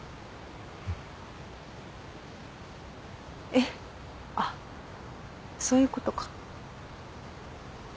えっあっそういうことか。